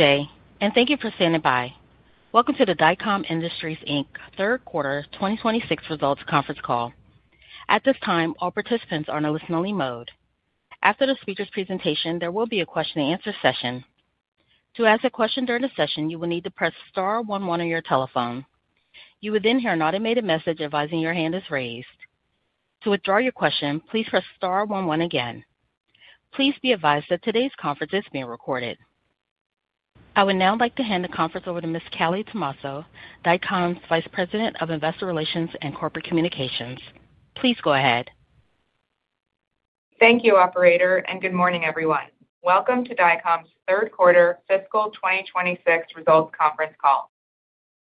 Good day, and thank you for standing by. Welcome to the Dycom Industries Third Quarter 2026 Results Conference Call. At this time, all participants are in a listen-only mode. After the speaker's presentation, there will be a question-and-answer session. To ask a question during the session, you will need to press star one one on your telephone. You will then hear an automated message advising your hand is raised. To withdraw your question, please press star one one again. Please be advised that today's conference is being recorded. I would now like to hand the conference over to Ms. Callie Tomasso, Dycom's Vice President of Investor Relations and Corporate Communications. Please go ahead. Thank you, Operator, and good morning, everyone. Welcome to Dycom's Third Quarter Fiscal 2026 Results Conference Call.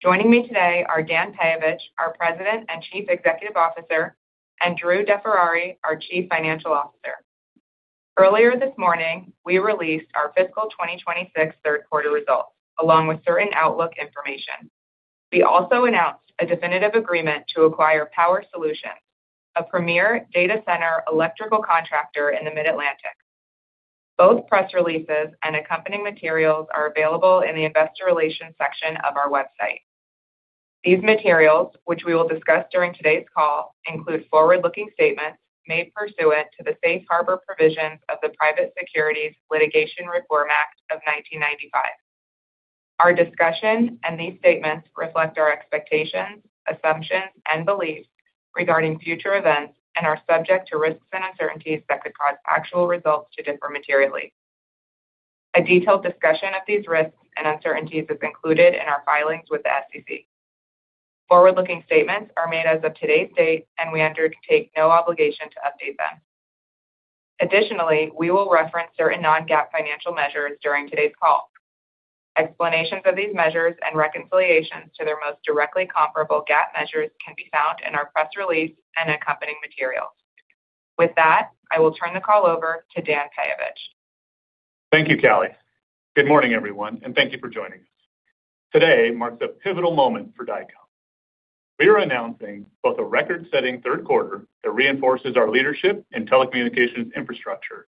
Joining me today are Dan Peyovich, our President and Chief Executive Officer, and Drew DeFerrari, our Chief Financial Officer. Earlier this morning, we released our Fiscal 2026 Third Quarter results along with certain outlook information. We also announced a definitive agreement to acquire Power Solutions, a premier data center electrical contractor in the Mid-Atlantic. Both press releases and accompanying materials are available in the Investor Relations section of our website. These materials, which we will discuss during today's call, include forward-looking statements made pursuant to the safe harbor provisions of the Private Securities Litigation Reform Act of 1995. Our discussion and these statements reflect our expectations, assumptions, and beliefs regarding future events and are subject to risks and uncertainties that could cause actual results to differ materially. A detailed discussion of these risks and uncertainties is included in our filings with the SEC. Forward-looking statements are made as of today's date, and we undertake no obligation to update them. Additionally, we will reference certain non-GAAP financial measures during today's call. Explanations of these measures and reconciliations to their most directly comparable GAAP measures can be found in our press release and accompanying materials. With that, I will turn the call over to Dan Peyovich. Thank you, Callie. Good morning, everyone, and thank you for joining us. Today marks a pivotal moment for Dycom. We are announcing both a record-setting third quarter that reinforces our leadership in telecommunications infrastructure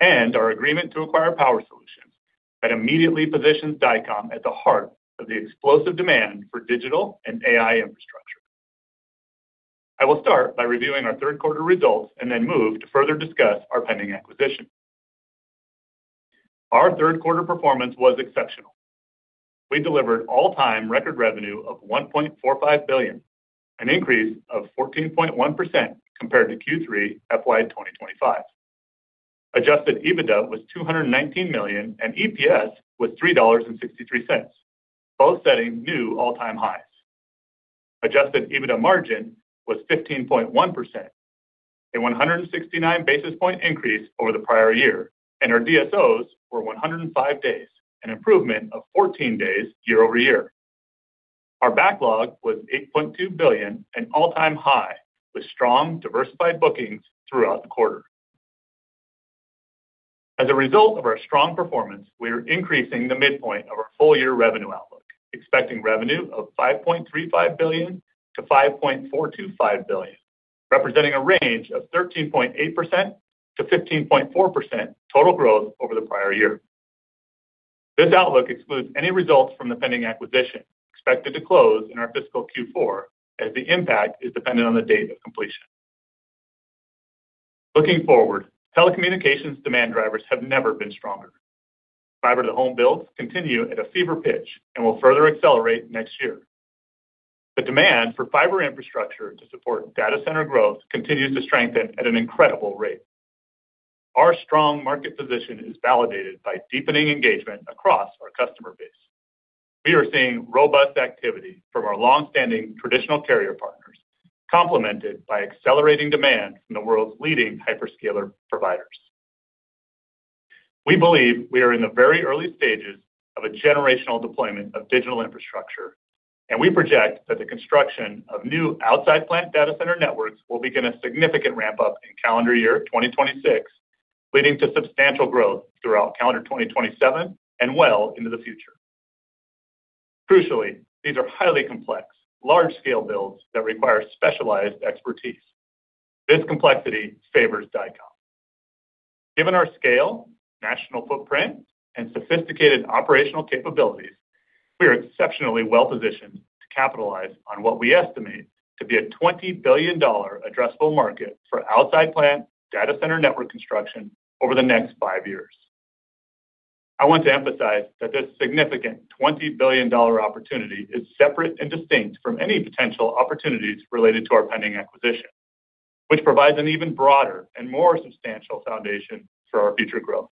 and our agreement to acquire Power Solutions that immediately positions Dycom at the heart of the explosive demand for digital and AI infrastructure. I will start by reviewing our third quarter results and then move to further discuss our pending acquisition. Our third quarter performance was exceptional. We delivered all-time record revenue of $1.45 billion, an increase of 14.1% compared to Q3 FY 2025. Adjusted EBITDA was $219 million, and EPS was $3.63, both setting new all-time highs. Adjusted EBITDA margin was 15.1%, a 169 bp increase over the prior year, and our DSOs were 105 days, an improvement of 14 days year over year. Our backlog was $8.2 billion, an all-time high, with strong diversified bookings throughout the quarter. As a result of our strong performance, we are increasing the midpoint of our full-year revenue outlook, expecting revenue of $5.35 billion-$5.425 billion, representing a range of 13.8%-15.4% total growth over the prior year. This outlook excludes any results from the pending acquisition expected to close in our fiscal Q4, as the impact is dependent on the date of completion. Looking forward, telecommunications demand drivers have never been stronger. Fiber-to-home builds continue at a fever pitch and will further accelerate next year. The demand for fiber infrastructure to support data center growth continues to strengthen at an incredible rate. Our strong market position is validated by deepening engagement across our customer base. We are seeing robust activity from our longstanding traditional carrier partners, complemented by accelerating demand from the world's leading hyperscaler providers. We believe we are in the very early stages of a generational deployment of digital infrastructure, and we project that the construction of new outside plant data center networks will begin a significant ramp-up in calendar year 2026, leading to substantial growth throughout calendar 2027 and well into the future. Crucially, these are highly complex, large-scale builds that require specialized expertise. This complexity favors Dycom. Given our scale, national footprint, and sophisticated operational capabilities, we are exceptionally well-positioned to capitalize on what we estimate to be a $20 billion addressable market for outside plant data center network construction over the next five years. I want to emphasize that this significant $20 billion opportunity is separate and distinct from any potential opportunities related to our pending acquisition, which provides an even broader and more substantial foundation for our future growth.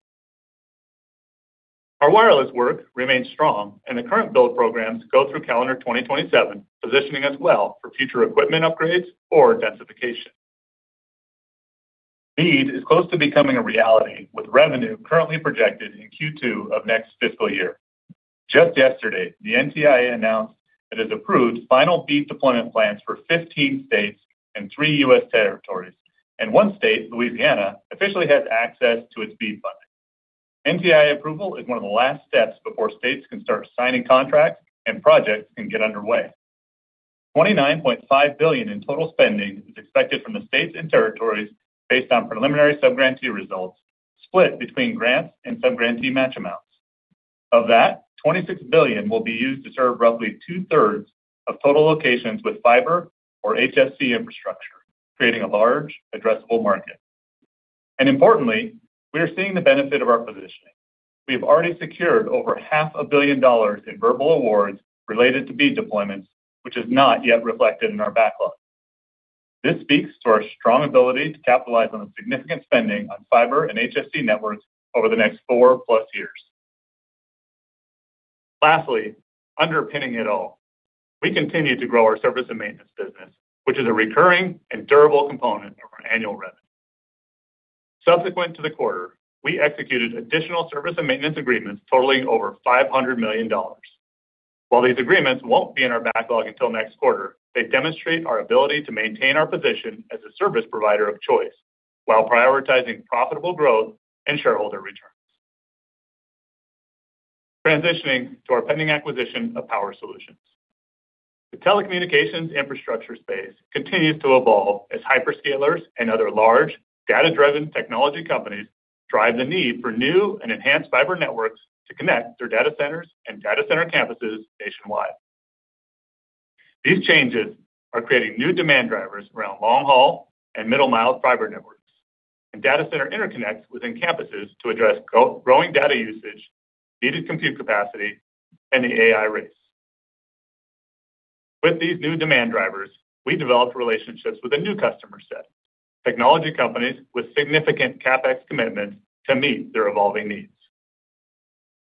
Our wireless work remains strong, and the current build programs go through calendar 2027, positioning us well for future equipment upgrades or densification. BEAD is close to becoming a reality, with revenue currently projected in Q2 of next fiscal year. Just yesterday, the NTIA announced it has approved final BEAD deployment plans for 15 states and three U.S. territories, and one state, Louisiana, officially has access to its BEAD funding. NTIA approval is one of the last steps before states can start signing contracts and projects can get underway. $29.5 billion in total spending is expected from the states and territories based on preliminary subgrantee results, split between grants and subgrantee match amounts. Of that, $26 billion will be used to serve roughly 2/3 of total locations with fiber or HFC infrastructure, creating a large addressable market. Importantly, we are seeing the benefit of our positioning. We have already secured over $500 million in verbal awards related to BEAD deployments, which is not yet reflected in our backlog. This speaks to our strong ability to capitalize on the significant spending on fiber and HFC networks over the next 4+ years. Lastly, underpinning it all, we continue to grow our service and maintenance business, which is a recurring and durable component of our annual revenue. Subsequent to the quarter, we executed additional service and maintenance agreements totaling over $500 million. While these agreements will not be in our backlog until next quarter, they demonstrate our ability to maintain our position as a service provider of choice while prioritizing profitable growth and shareholder returns. Transitioning to our pending acquisition of Power Solutions. The telecommunications infrastructure space continues to evolve as hyperscalers and other large, data-driven technology companies drive the need for new and enhanced fiber networks to connect through data centers and data center campuses nationwide. These changes are creating new demand drivers around long-haul and middle-mile fiber networks and data center interconnects within campuses to address growing data usage, needed compute capacity, and the AI race. With these new demand drivers, we developed relationships with a new customer set, technology companies with significant CapEx commitments to meet their evolving needs.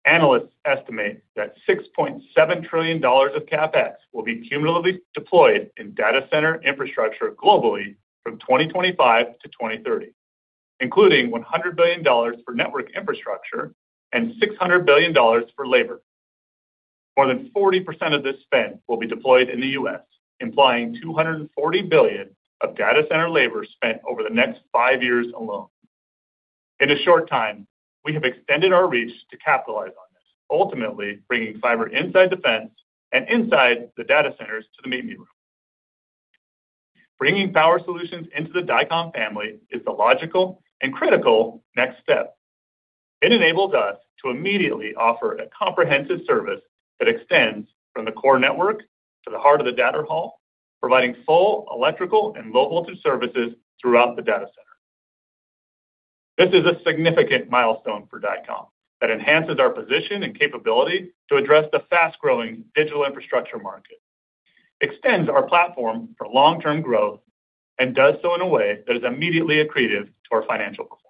Analysts estimate that $6.7 trillion of CapEx will be cumulatively deployed in data center infrastructure globally from 2025 to 2030, including $100 billion for network infrastructure and $600 billion for labor. More than 40% of this spend will be deployed in the U.S., implying $240 billion of data center labor spent over the next five years alone. In a short time, we have extended our reach to capitalize on this, ultimately bringing fiber inside the fence and inside the data centers to the meeting room. Bringing Power Solutions into the Dycom family is the logical and critical next step. It enables us to immediately offer a comprehensive service that extends from the core network to the heart of the data hall, providing full electrical and low-voltage services throughout the data center. This is a significant milestone for Dycom that enhances our position and capability to address the fast-growing digital infrastructure market, extends our platform for long-term growth, and does so in a way that is immediately accretive to our financial performance.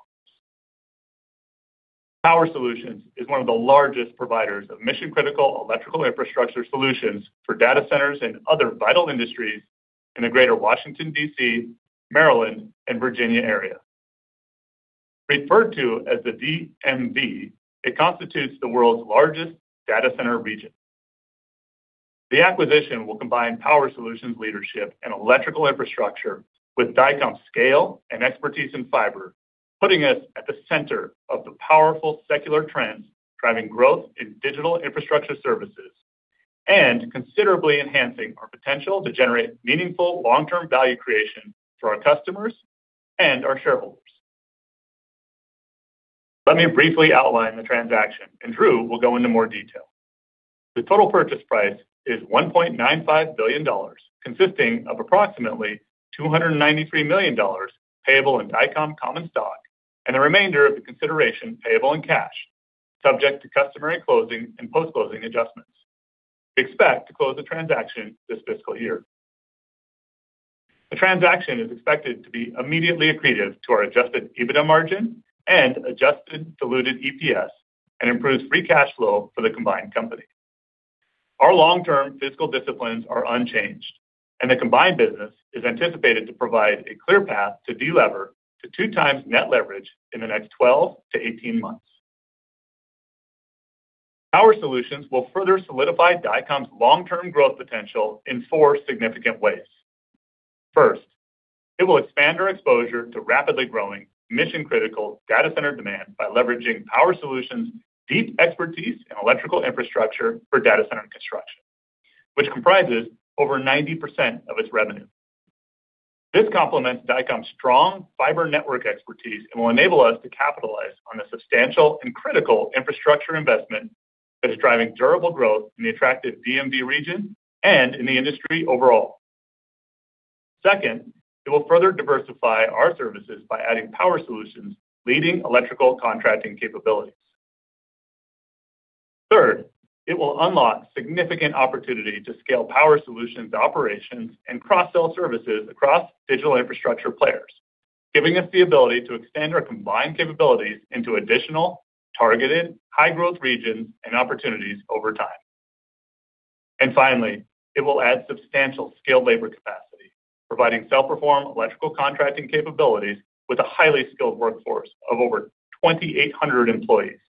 Power Solutions is one of the largest providers of mission-critical electrical infrastructure solutions for data centers and other vital industries in the greater Washington, D.C., Maryland, and Virginia area. Referred to as the DMV, it constitutes the world's largest data center region. The acquisition will combine Power Solutions leadership and electrical infrastructure with Dycom's scale and expertise in fiber, putting us at the center of the powerful secular trends driving growth in digital infrastructure services and considerably enhancing our potential to generate meaningful long-term value creation for our customers and our shareholders. Let me briefly outline the transaction, and Drew will go into more detail. The total purchase price is $1.95 billion, consisting of approximately $293 million payable in Dycom common stock and the remainder of the consideration payable in cash, subject to customer and closing and post-closing adjustments. We expect to close the transaction this fiscal year. The transaction is expected to be immediately accretive to our adjusted EBITDA margin and adjusted diluted EPS and improves free cash flow for the combined company. Our long-term fiscal disciplines are unchanged, and the combined business is anticipated to provide a clear path to de-lever to two-times net leverage in the next 12 to 18 months. Power Solutions will further solidify Dycom's long-term growth potential in four significant ways. First, it will expand our exposure to rapidly growing mission-critical data center demand by leveraging Power Solutions' deep expertise in electrical infrastructure for data center construction, which comprises over 90% of its revenue. This complements Dycom's strong fiber network expertise and will enable us to capitalize on the substantial and critical infrastructure investment that is driving durable growth in the attractive DMV region and in the industry overall. Second, it will further diversify our services by adding Power Solutions' leading electrical contracting capabilities. Third, it will unlock significant opportunity to scale Power Solutions' operations and cross-sell services across digital infrastructure players, giving us the ability to extend our combined capabilities into additional targeted high-growth regions and opportunities over time. Finally, it will add substantial skilled labor capacity, providing self-perform electrical contracting capabilities with a highly skilled workforce of over 2,800 employees,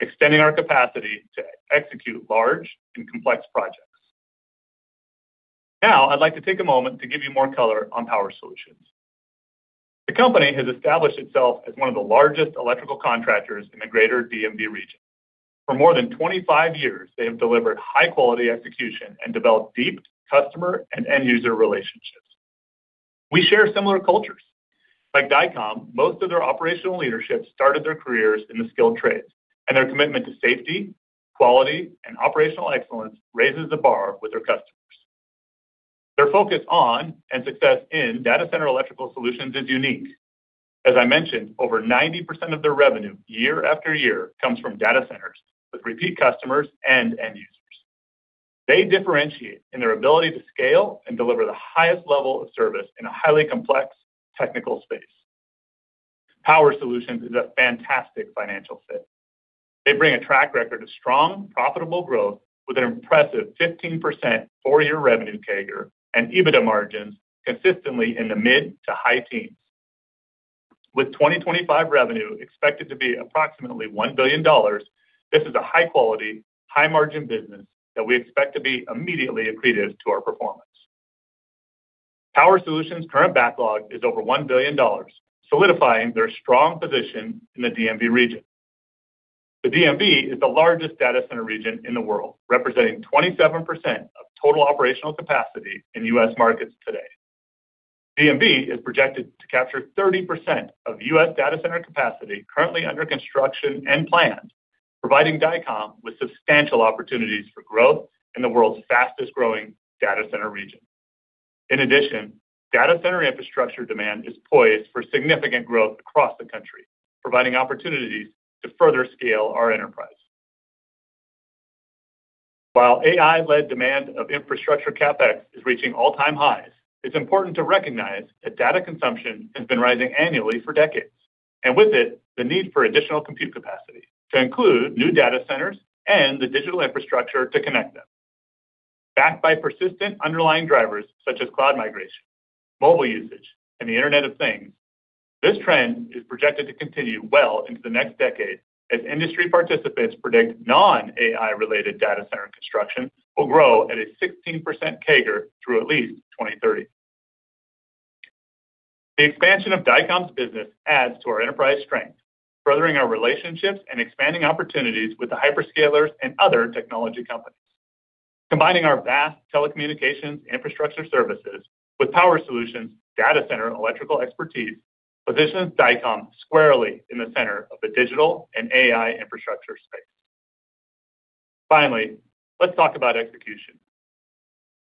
extending our capacity to execute large and complex projects. Now, I'd like to take a moment to give you more color on Power Solutions. The company has established itself as one of the largest electrical contractors in the greater DMV region. For more than 25 years, they have delivered high-quality execution and developed deep customer and end-user relationships. We share similar cultures. Like Dycom, most of their operational leadership started their careers in the skilled trades, and their commitment to safety, quality, and operational excellence raises the bar with their customers. Their focus on and success in data center electrical solutions is unique. As I mentioned, over 90% of their revenue year after year comes from data centers with repeat customers and end users. They differentiate in their ability to scale and deliver the highest level of service in a highly complex technical space. Power Solutions is a fantastic financial fit. They bring a track record of strong, profitable growth with an impressive 15% four-year revenue CAGR and EBITDA margins consistently in the mid to high teens. With 2025 revenue expected to be approximately $1 billion, this is a high-quality, high-margin business that we expect to be immediately accretive to our performance. Power Solutions' current backlog is over $1 billion, solidifying their strong position in the DMV region. The DMV is the largest data center region in the world, representing 27% of total operational capacity in U.S. markets today. DMV is projected to capture 30% of U.S. data center capacity currently under construction and planned, providing Dycom with substantial opportunities for growth in the world's fastest-growing data center region. In addition, data center infrastructure demand is poised for significant growth across the country, providing opportunities to further scale our enterprise. While AI-led demand of infrastructure CapEx is reaching all-time highs, it's important to recognize that data consumption has been rising annually for decades, and with it, the need for additional compute capacity to include new data centers and the digital infrastructure to connect them. Backed by persistent underlying drivers such as cloud migration, mobile usage, and the Internet of Things, this trend is projected to continue well into the next decade as industry participants predict non-AI-related data center construction will grow at a 16% CAGR through at least 2030. The expansion of Dycom's business adds to our enterprise strength, furthering our relationships and expanding opportunities with the hyperscalers and other technology companies. Combining our vast telecommunications infrastructure services with Power Solutions' data center electrical expertise positions Dycom squarely in the center of the digital and AI infrastructure space. Finally, let's talk about execution.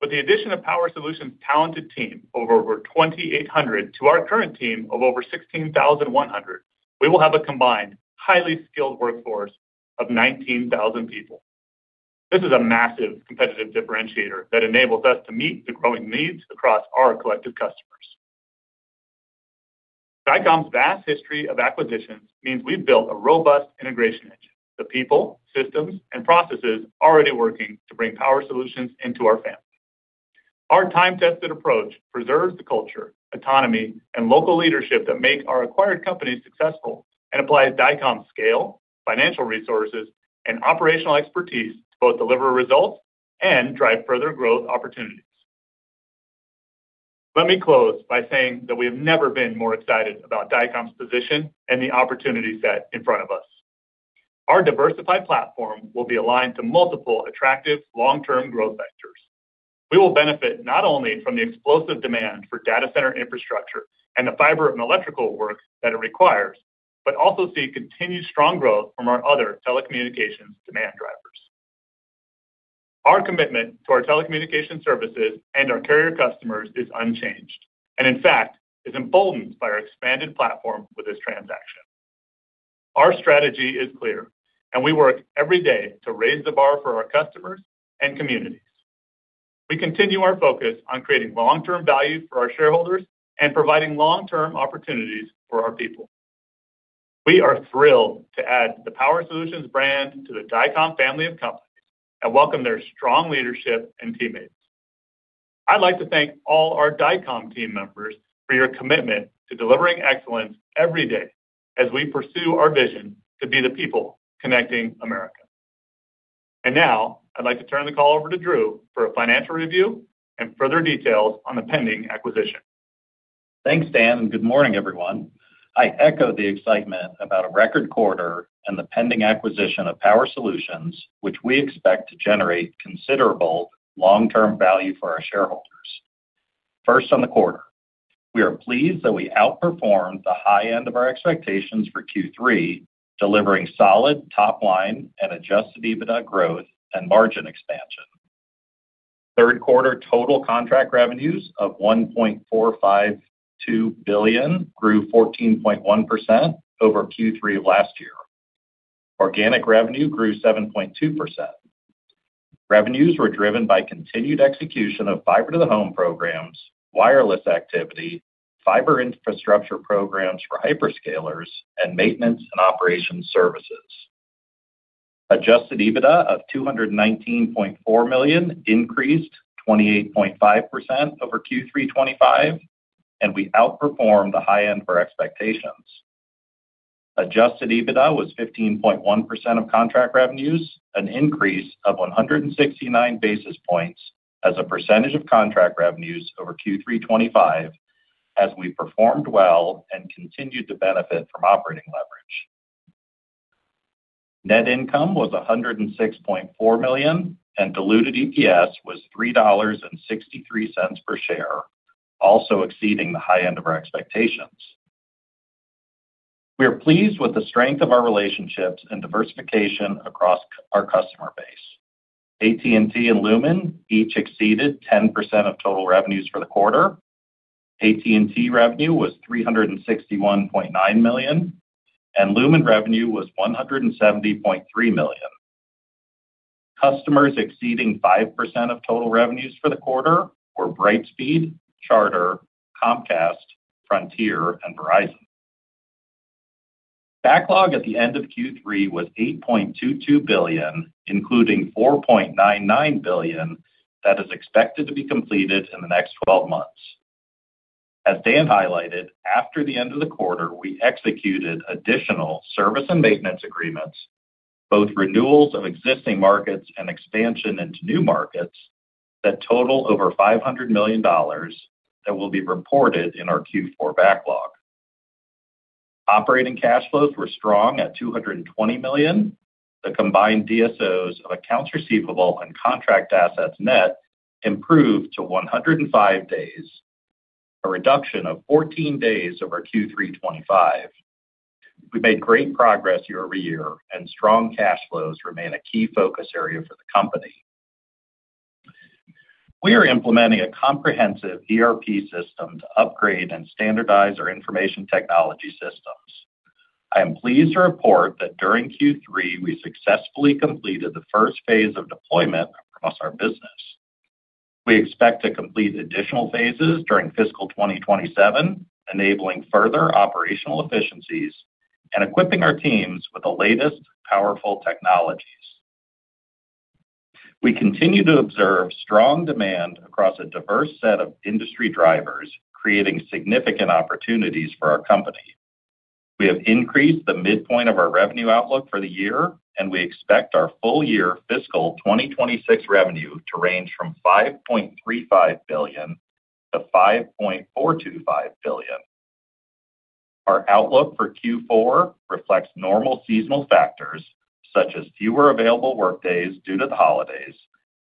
With the addition of Power Solutions' talented team of over 2,800 to our current team of over 16,100, we will have a combined highly skilled workforce of 19,000 people. This is a massive competitive differentiator that enables us to meet the growing needs across our collective customers. Dycom's vast history of acquisitions means we've built a robust integration engine with the people, systems, and processes already working to bring Power Solutions into our family. Our time-tested approach preserves the culture, autonomy, and local leadership that make our acquired companies successful and applies Dycom's scale, financial resources, and operational expertise to both deliver results and drive further growth opportunities. Let me close by saying that we have never been more excited about Dycom's position and the opportunity set in front of us. Our diversified platform will be aligned to multiple attractive long-term growth vectors. We will benefit not only from the explosive demand for data center infrastructure and the fiber and electrical work that it requires, but also see continued strong growth from our other telecommunications demand drivers. Our commitment to our telecommunications services and our carrier customers is unchanged and, in fact, is emboldened by our expanded platform with this transaction. Our strategy is clear, and we work every day to raise the bar for our customers and communities. We continue our focus on creating long-term value for our shareholders and providing long-term opportunities for our people. We are thrilled to add the Power Solutions brand to the Dycom family of companies and welcome their strong leadership and teammates. I'd like to thank all our Dycom team members for your commitment to delivering excellence every day as we pursue our vision to be the people connecting America. I'd like to turn the call over to Drew for a financial review and further details on the pending acquisition. Thanks, Dan, and good morning, everyone. I echo the excitement about a record quarter and the pending acquisition of Power Solutions, which we expect to generate considerable long-term value for our shareholders. First on the quarter, we are pleased that we outperformed the high end of our expectations for Q3, delivering solid top-line and adjusted EBITDA growth and margin expansion. Third quarter total contract revenues of $1.452 billion grew 14.1% over Q3 of last year. Organic revenue grew 7.2%. Revenues were driven by continued execution of fiber-to-the-home programs, wireless activity, fiber infrastructure programs for hyperscalers, and maintenance and operation services. Adjusted EBITDA of $219.4 million increased 28.5% over Q3 2025, and we outperformed the high end for expectations. Adjusted EBITDA was 15.1% of contract revenues, an increase of 169 bps as a percentage of contract revenues over Q3 2025, as we performed well and continued to benefit from operating leverage. Net income was $106.4 million, and diluted EPS was $3.63 per share, also exceeding the high end of our expectations. We are pleased with the strength of our relationships and diversification across our customer base. AT&T and Lumen each exceeded 10% of total revenues for the quarter. AT&T revenue was $361.9 million, and Lumen revenue was $170.3 million. Customers exceeding 5% of total revenues for the quarter were Brightspeed, Charter, Comcast, Frontier, and Verizon. Backlog at the end of Q3 was $8.22 billion, including $4.99 billion that is expected to be completed in the next 12 months. As Dan highlighted, after the end of the quarter, we executed additional service and maintenance agreements, both renewals of existing markets and expansion into new markets that total over $500 million that will be reported in our Q4 backlog. Operating cash flows were strong at $220 million. The combined DSOs of accounts receivable and contract assets net improved to 105 days, a reduction of 14 days over Q3 2025. We made great progress year over year, and strong cash flows remain a key focus area for the company. We are implementing a comprehensive ERP system to upgrade and standardize our information technology systems. I am pleased to report that during Q3, we successfully completed the first phase of deployment across our business. We expect to complete additional phases during fiscal 2027, enabling further operational efficiencies and equipping our teams with the latest powerful technologies. We continue to observe strong demand across a diverse set of industry drivers, creating significant opportunities for our company. We have increased the midpoint of our revenue outlook for the year, and we expect our full-year fiscal 2026 revenue to range from $5.35 billion-$5.425 billion. Our outlook for Q4 reflects normal seasonal factors such as fewer available workdays due to the holidays,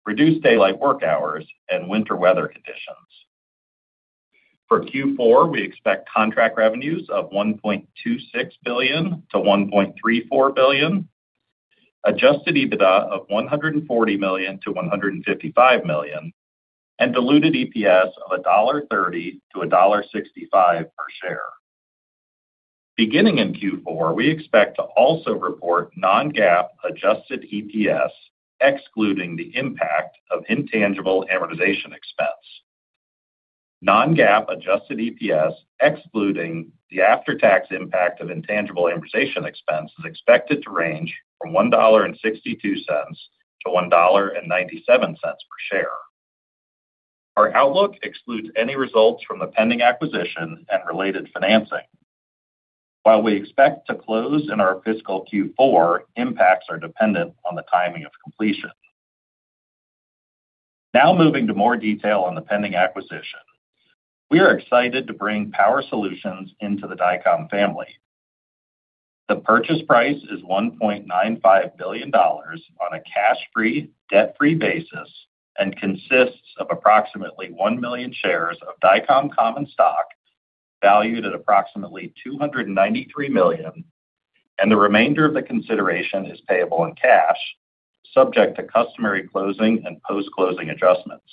reduced daylight work hours, and winter weather conditions. For Q4, we expect contract revenues of $1.26 billion-$1.34 billion, adjusted EBITDA of $140 million-$155 million, and diluted EPS of $1.30-$1.65 per share. Beginning in Q4, we expect to also report non-GAAP adjusted EPS, excluding the impact of intangible amortization expense. Non-GAAP adjusted EPS, excluding the after-tax impact of intangible amortization expense, is expected to range from $1.62-$1.97 per share. Our outlook excludes any results from the pending acquisition and related financing. While we expect to close in our fiscal Q4, impacts are dependent on the timing of completion. Now, moving to more detail on the pending acquisition, we are excited to bring Power Solutions into the Dycom family. The purchase price is $1.95 billion on a cash-free, debt-free basis and consists of approximately one million shares of Dycom Common Stock valued at approximately $293 million, and the remainder of the consideration is payable in cash, subject to customary closing and post-closing adjustments.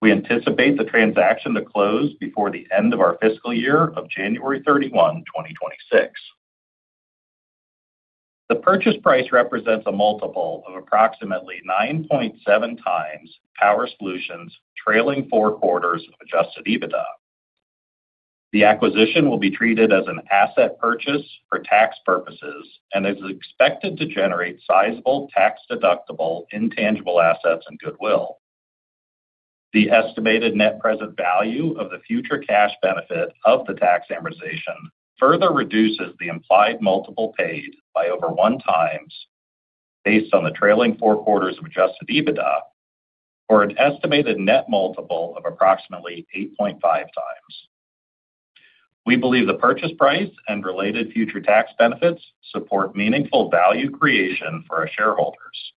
We anticipate the transaction to close before the end of our fiscal year of January 31, 2026. The purchase price represents a multiple of approximately 9.7 times Power Solutions' trailing four quarters of adjusted EBITDA. The acquisition will be treated as an asset purchase for tax purposes and is expected to generate sizable tax-deductible intangible assets and goodwill. The estimated net present value of the future cash benefit of the tax amortization further reduces the implied multiple paid by over one times based on the trailing four quarters of adjusted EBITDA for an estimated net multiple of approximately 8.5 times. We believe the purchase price and related future tax benefits support meaningful value creation for our shareholders.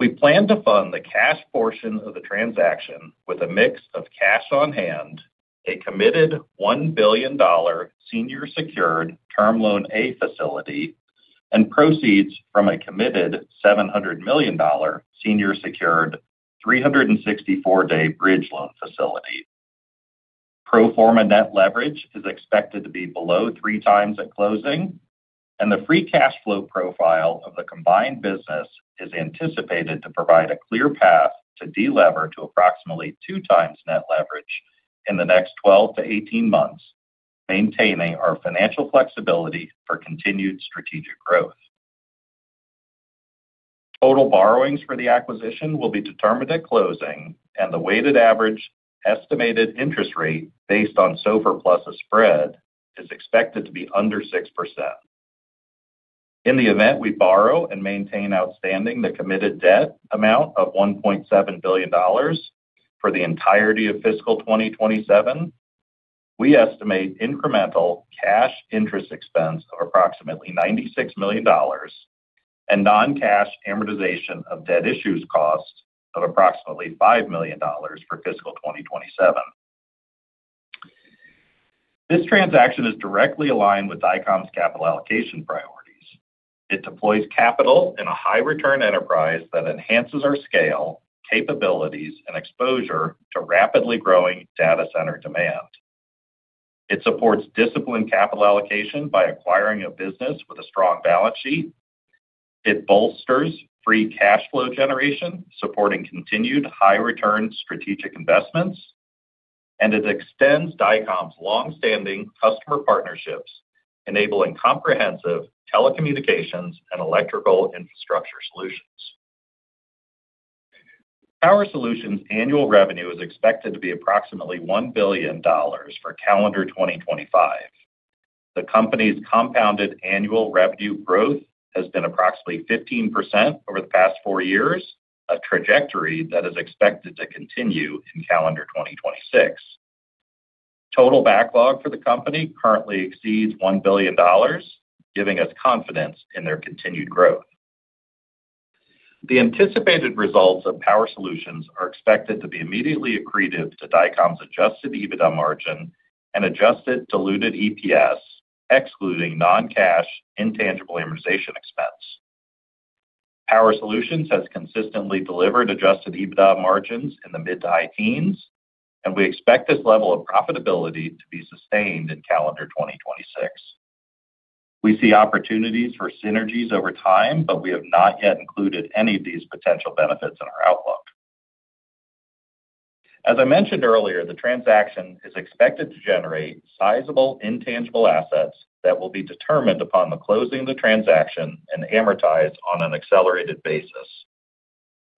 We plan to fund the cash portion of the transaction with a mix of cash on hand, a committed $1 billion senior secured term loan A facility, and proceeds from a committed $700 million senior secured 364-day bridge loan facility. Pro forma net leverage is expected to be below three times at closing, and the free cash flow profile of the combined business is anticipated to provide a clear path to delever to approximately two times net leverage in the next 12 to 18 months, maintaining our financial flexibility for continued strategic growth. Total borrowings for the acquisition will be determined at closing, and the weighted average estimated interest rate based on SOFR+ a spread is expected to be under 6%. In the event we borrow and maintain outstanding the committed debt amount of $1.7 billion for the entirety of fiscal 2027, we estimate incremental cash interest expense of approximately $96 million and non-cash amortization of debt issue cost of approximately $5 million for fiscal 2027. This transaction is directly aligned with Dycom's capital allocation priorities. It deploys capital in a high-return enterprise that enhances our scale, capabilities, and exposure to rapidly growing data center demand. It supports disciplined capital allocation by acquiring a business with a strong balance sheet. It bolsters free cash flow generation, supporting continued high-return strategic investments, and it extends Dycom's long-standing customer partnerships, enabling comprehensive telecommunications and electrical infrastructure solutions. Power Solutions annual revenue is expected to be approximately $1 billion for calendar 2025. The company's compounded annual revenue growth has been approximately 15% over the past four years, a trajectory that is expected to continue in calendar 2026. Total backlog for the company currently exceeds $1 billion, giving us confidence in their continued growth. The anticipated results of Power Solutions are expected to be immediately accretive to Dycom's adjusted EBITDA margin and adjusted diluted EPS, excluding non-cash intangible amortization expense. Power Solutions has consistently delivered adjusted EBITDA margins in the mid to high teens, and we expect this level of profitability to be sustained in calendar 2026. We see opportunities for synergies over time, but we have not yet included any of these potential benefits in our outlook. As I mentioned earlier, the transaction is expected to generate sizable intangible assets that will be determined upon the closing of the transaction and amortized on an accelerated basis.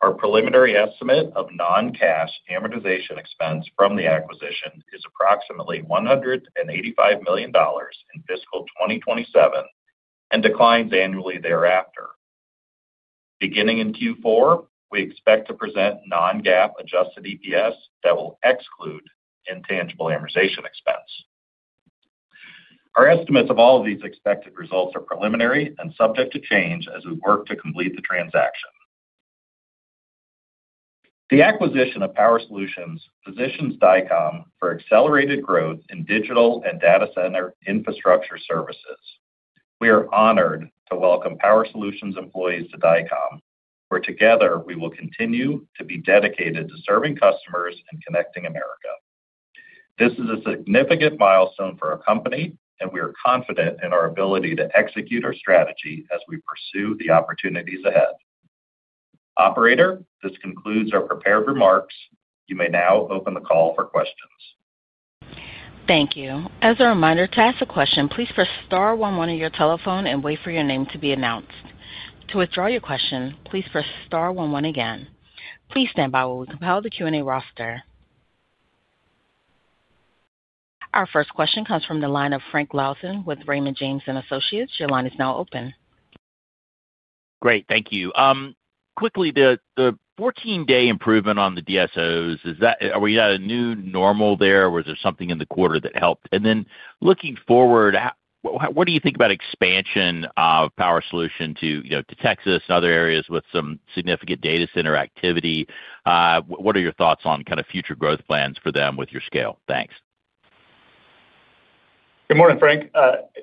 Our preliminary estimate of non-cash amortization expense from the acquisition is approximately $185 million in fiscal 2027 and declines annually thereafter. Beginning in Q4, we expect to present non-GAAP adjusted EPS that will exclude intangible amortization expense. Our estimates of all of these expected results are preliminary and subject to change as we work to complete the transaction. The acquisition of Power Solutions positions Dycom for accelerated growth in digital and data center infrastructure services. We are honored to welcome Power Solutions employees to Dycom, where together we will continue to be dedicated to serving customers and connecting America. This is a significant milestone for our company, and we are confident in our ability to execute our strategy as we pursue the opportunities ahead. Operator, this concludes our prepared remarks. You may now open the call for questions. Thank you. As a reminder, to ask a question, please press star one one on your telephone and wait for your name to be announced. To withdraw your question, please press star one one again. Please stand by while we compile the Q&A roster. Our first question comes from the line of Frank Louthan with Raymond James and Associates. Your line is now open. Great. Thank you. Quickly, the 14-day improvement on the DSOs, are we at a new normal there, or was there something in the quarter that helped? Looking forward, what do you think about expansion of Power Solutions to Texas and other areas with some significant data center activity? What are your thoughts on kind of future growth plans for them with your scale? Thanks. Good morning, Frank.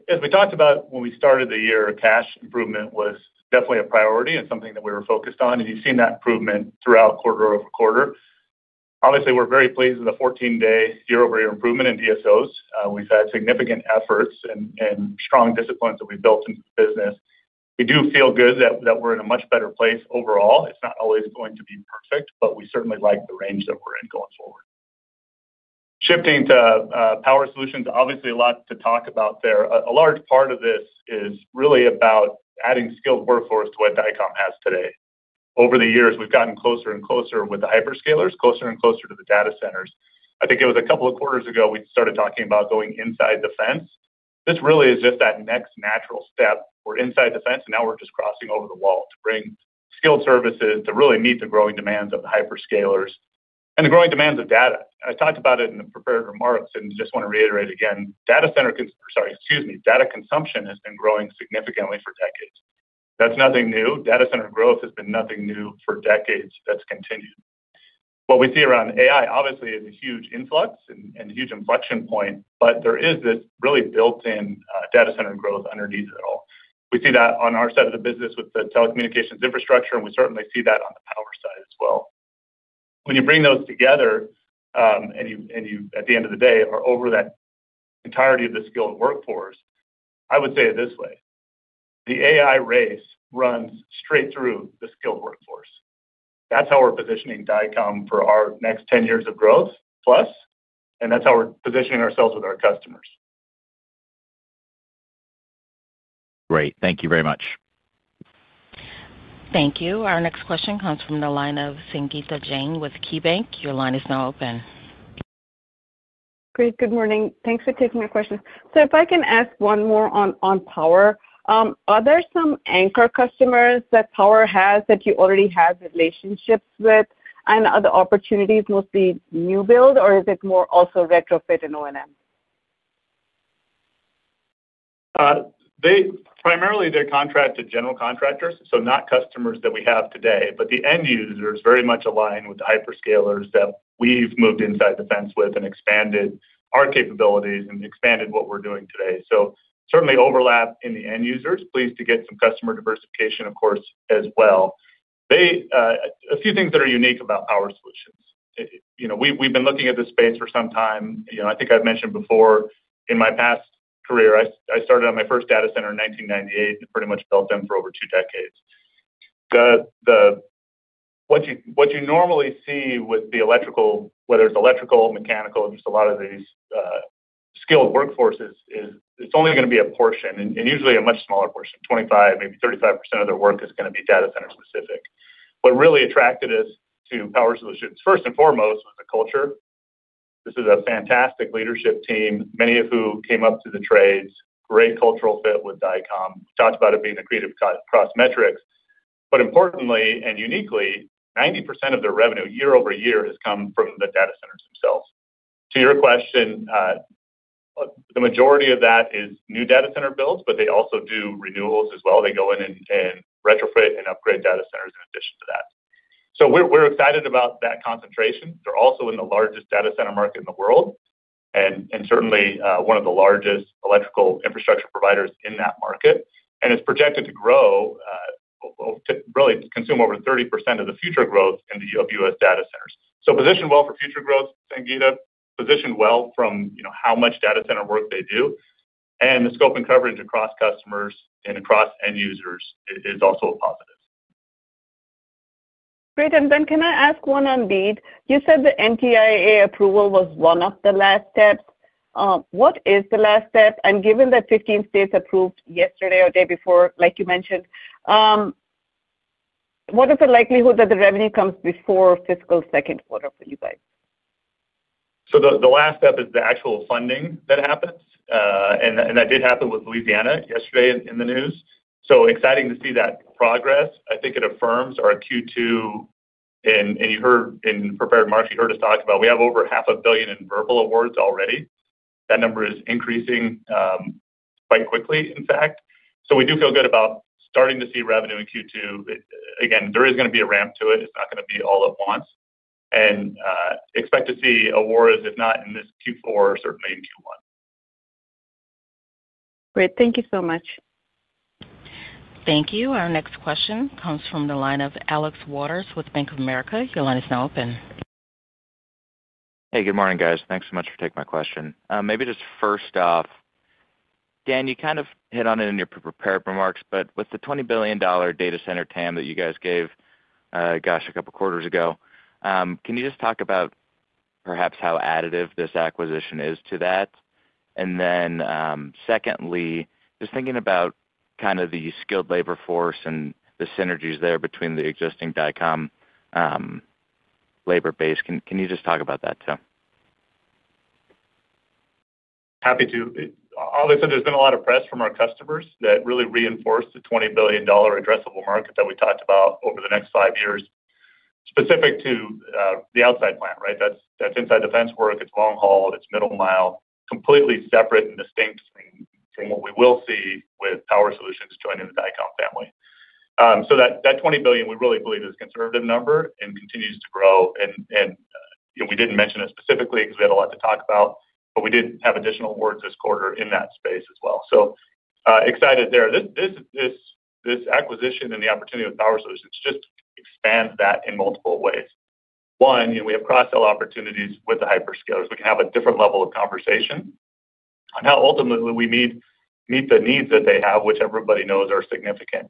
As we talked about when we started the year, cash improvement was definitely a priority and something that we were focused on, and you've seen that improvement throughout quarter over quarter. Obviously, we're very pleased with the 14-day year-over-year improvement in DSOs. We've had significant efforts and strong disciplines that we've built into the business. We do feel good that we're in a much better place overall. It's not always going to be perfect, but we certainly like the range that we're in going forward. Shifting to Power Solutions, obviously a lot to talk about there. A large part of this is really about adding skilled workforce to what Dycom has today. Over the years, we've gotten closer and closer with the hyperscalers, closer and closer to the data centers. I think it was a couple of quarters ago we started talking about going inside the fence. This really is just that next natural step. We're inside the fence, and now we're just crossing over the wall to bring skilled services to really meet the growing demands of the hyperscalers and the growing demands of data. I talked about it in the prepared remarks, and just want to reiterate again, data center—sorry, excuse me—data consumption has been growing significantly for decades. That's nothing new. Data center growth has been nothing new for decades. That's continued. What we see around AI, obviously, is a huge influx and huge inflection point, but there is this really built-in data center growth underneath it all. We see that on our side of the business with the telecommunications infrastructure, and we certainly see that on the power side as well. When you bring those together, and you, at the end of the day, are over that entirety of the skilled workforce, I would say it this way: the AI race runs straight through the skilled workforce. That's how we're positioning Dycom for our next 10 years of growth plus, and that's how we're positioning ourselves with our customers. Great. Thank you very much. Thank you. Our next question comes from the line of Sangita Jain with KeyBanc. Your line is now open. Great. Good morning. Thanks for taking my questions. If I can ask one more on Power, are there some anchor customers that Power has that you already have relationships with and other opportunities, mostly new build, or is it more also retrofit and O&M? Primarily, they're contracted general contractors, so not customers that we have today, but the end users very much align with the hyperscalers that we've moved inside the fence with and expanded our capabilities and expanded what we're doing today. Certainly overlap in the end users. Pleased to get some customer diversification, of course, as well. A few things that are unique about Power Solutions. We've been looking at this space for some time. I think I've mentioned before, in my past career, I started on my first data center in 1998 and pretty much built them for over two decades. What you normally see with the electrical, whether it's electrical, mechanical, just a lot of these skilled workforces, it's only going to be a portion and usually a much smaller portion. 25%-35% of their work is going to be data center specific. What really attracted us to Power Solutions, first and foremost, was the culture. This is a fantastic leadership team, many of whom came up through the trades, great cultural fit with Dycom. We talked about it being a creative cross-metrics. Importantly and uniquely, 90% of their revenue year over year has come from the data centers themselves. To your question, the majority of that is new data center builds, but they also do renewals as well. They go in and retrofit and upgrade data centers in addition to that. We are excited about that concentration. They're also in the largest data center market in the world and certainly one of the largest electrical infrastructure providers in that market, and it's projected to grow, really consume over 30% of the future growth of U.S. data centers. Positioned well for future growth, Sangita, positioned well from how much data center work they do, and the scope and coverage across customers and across end users is also a positive. Great. Can I ask one on lead? You said the NTIA approval was one of the last steps. What is the last step? Given that 15 states approved yesterday or the day before, like you mentioned, what is the likelihood that the revenue comes before fiscal second quarter for you guys? The last step is the actual funding that happens, and that did happen with Louisiana yesterday in the news. Exciting to see that progress. I think it affirms our Q2, and you heard in prepared remarks, you heard us talk about we have over $500,000,000 in verbal awards already. That number is increasing quite quickly, in fact. We do feel good about starting to see revenue in Q2. Again, there is going to be a ramp to it. It's not going to be all at once. Expect to see awards, if not in this Q4, certainly in Q1. Great. Thank you so much. Thank you. Our next question comes from the line of Alex Waters with Bank of America. Your line is now open. Hey, good morning, guys. Thanks so much for taking my question. Maybe just first off, Dan, you kind of hit on it in your prepared remarks, but with the $20 billion data center TAM that you guys gave, gosh, a couple of quarters ago, can you just talk about perhaps how additive this acquisition is to that? Then secondly, just thinking about kind of the skilled labor force and the synergies there between the existing Dycom labor base, can you just talk about that too? Happy to. Obviously, there's been a lot of press from our customers that really reinforced the $20 billion addressable market that we talked about over the next five years specific to the outside plant, right? That's inside the fence work. It's long haul. It's middle mile. Completely separate and distinct from what we will see with Power Solutions joining the Dycom family. That $20 billion, we really believe is a conservative number and continues to grow. We did not mention it specifically because we had a lot to talk about, but we did have additional awards this quarter in that space as well. Excited there. This acquisition and the opportunity with Power Solutions just expands that in multiple ways. One, we have cross-sell opportunities with the hyperscalers. We can have a different level of conversation on how ultimately we meet the needs that they have, which everybody knows are significant.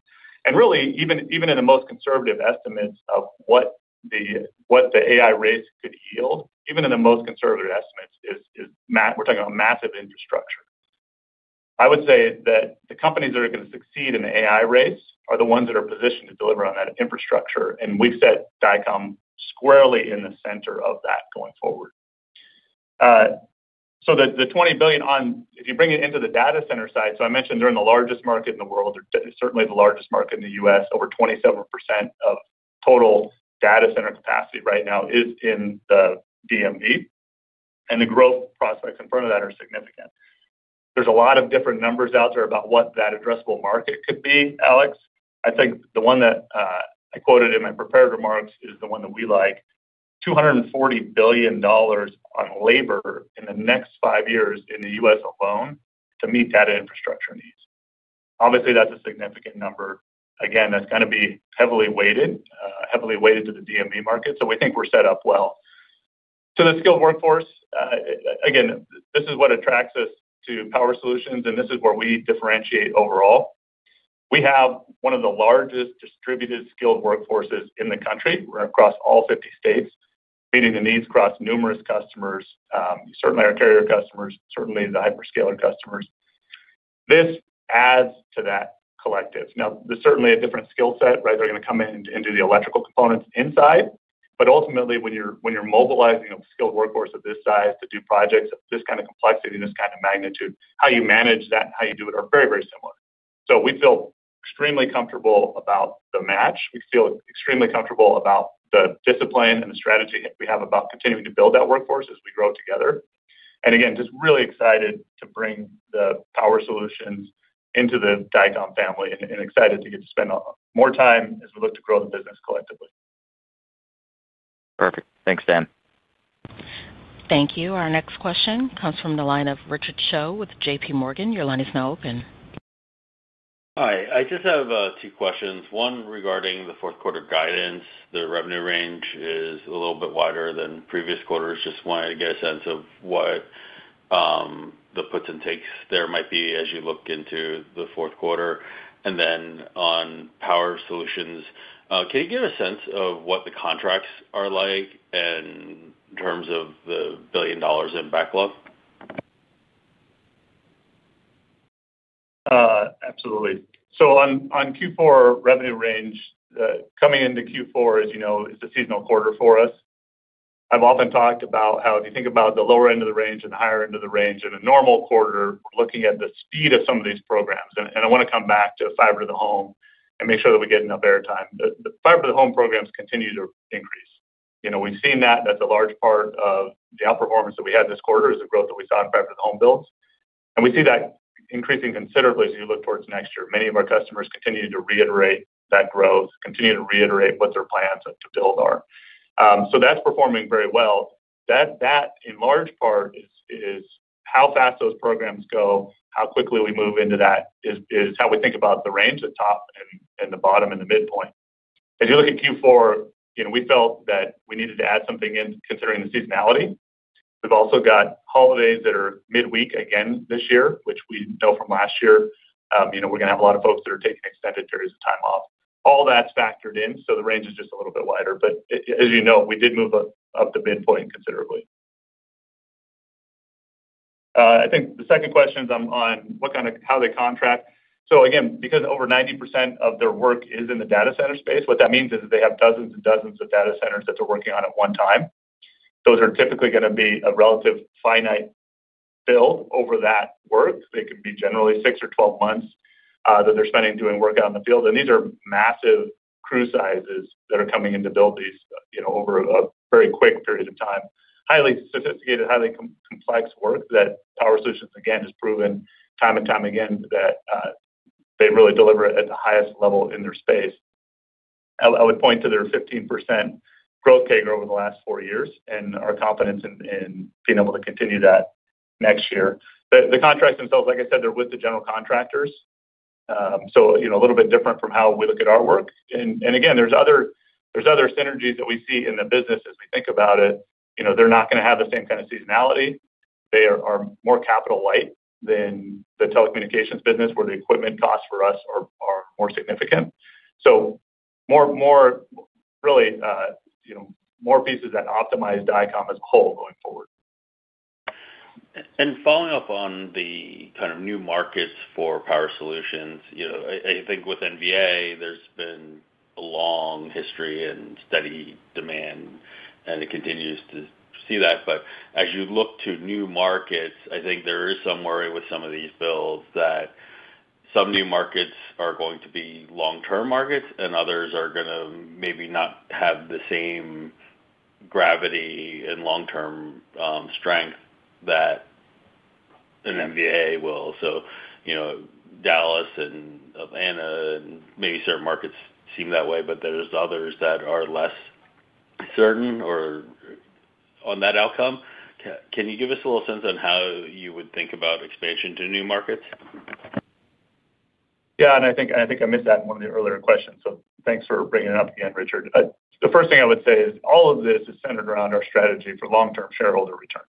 Really, even in the most conservative estimates of what the AI race could yield, even in the most conservative estimates, we are talking about massive infrastructure. I would say that the companies that are going to succeed in the AI race are the ones that are positioned to deliver on that infrastructure, and we've set Dycom squarely in the center of that going forward. The $20 billion, if you bring it into the data center side, I mentioned they're in the largest market in the world. They're certainly the largest market in the U.S. Over 27% of total data center capacity right now is in the DMV, and the growth prospects in front of that are significant. There are a lot of different numbers out there about what that addressable market could be, Alex. I think the one that I quoted in my prepared remarks is the one that we like: $240 billion on labor in the next five years in the U.S. alone to meet data infrastructure needs. Obviously, that's a significant number. Again, that's going to be heavily weighted, heavily weighted to the DMV market. We think we're set up well. To the skilled workforce, again, this is what attracts us to Power Solutions, and this is where we differentiate overall. We have one of the largest distributed skilled workforces in the country. We're across all 50 states, meeting the needs across numerous customers, certainly our carrier customers, certainly the hyperscaler customers. This adds to that collective. Now, there's certainly a different skill set, right? They're going to come into the electrical components inside, but ultimately, when you're mobilizing a skilled workforce of this size to do projects of this kind of complexity and this kind of magnitude, how you manage that and how you do it are very, very similar. We feel extremely comfortable about the match. We feel extremely comfortable about the discipline and the strategy we have about continuing to build that workforce as we grow together. Just really excited to bring the Power Solutions into the Dycom family and excited to get to spend more time as we look to grow the business collectively. Perfect. Thanks, Dan. Thank you. Our next question comes from the line of Richard Cho with JPMorgan. Your line is now open. Hi. I just have two questions. One regarding the fourth quarter guidance. The revenue range is a little bit wider than previous quarters. Just wanted to get a sense of what the puts and takes there might be as you look into the fourth quarter. On Power Solutions, can you give a sense of what the contracts are like in terms of the billion dollars in backlog? Absolutely. On Q4 revenue range, coming into Q4, as you know, is a seasonal quarter for us. I have often talked about how if you think about the lower end of the range and the higher end of the range in a normal quarter, looking at the speed of some of these programs, and I want to come back to fiber to the home and make sure that we get enough airtime. The fiber to the home programs continue to increase. We have seen that. That is a large part of the outperformance that we had this quarter, is the growth that we saw in fiber to the home builds. We see that increasing considerably as you look towards next year. Many of our customers continue to reiterate that growth, continue to reiterate what their plans to build are. That is performing very well. That, in large part, is how fast those programs go, how quickly we move into that, is how we think about the range, the top and the bottom and the midpoint. As you look at Q4, we felt that we needed to add something in considering the seasonality. We have also got holidays that are midweek again this year, which we know from last year. We are going to have a lot of folks that are taking extended periods of time off. All that is factored in, so the range is just a little bit wider. As you know, we did move up the midpoint considerably. I think the second question is on what kind of how they contract. Again, because over 90% of their work is in the data center space, what that means is they have dozens and dozens of data centers that they are working on at one time. Those are typically going to be a relatively finite build over that work. They can be generally six or 12 months that they're spending doing work out in the field. These are massive crew sizes that are coming in to build these over a very quick period of time. Highly sophisticated, highly complex work that Power Solutions, again, has proven time and time again that they really deliver at the highest level in their space. I would point to their 15% growth CAGR over the last four years and our confidence in being able to continue that next year. The contracts themselves, like I said, they're with the general contractors. A little bit different from how we look at our work. Again, there's other synergies that we see in the business as we think about it. They're not going to have the same kind of seasonality. They are more capital light than the telecommunications business where the equipment costs for us are more significant. Really more pieces that optimize Dycom as a whole going forward. Following up on the kind of new markets for Power Solutions, I think with NVA, there has been a long history and steady demand, and it continues to see that. As you look to new markets, I think there is some worry with some of these builds that some new markets are going to be long-term markets and others are going to maybe not have the same gravity and long-term strength that an NVA will. Dallas and Atlanta and maybe certain markets seem that way, but there are others that are less certain or on that outcome. Can you give us a little sense on how you would think about expansion to new markets? Yeah. I think I missed that in one of the earlier questions. Thanks for bringing it up again, Richard. The first thing I would say is all of this is centered around our strategy for long-term shareholder returns.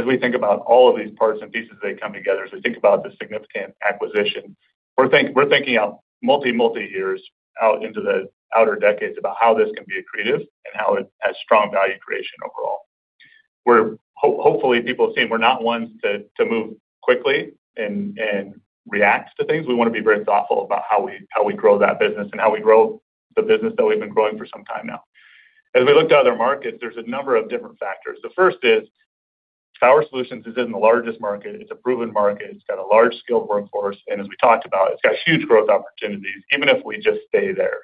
As we think about all of these parts and pieces that come together, as we think about the significant acquisition, we're thinking out multi, multi years out into the outer decades about how this can be accretive and how it has strong value creation overall. Hopefully, people have seen we're not ones to move quickly and react to things. We want to be very thoughtful about how we grow that business and how we grow the business that we've been growing for some time now. As we look to other markets, there's a number of different factors. The first is Power Solutions is in the largest market. It's a proven market. It's got a large skilled workforce. As we talked about, it's got huge growth opportunities, even if we just stay there.